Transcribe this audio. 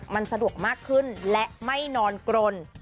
มันสะดวกมากขึ้นและไม่นอนกรน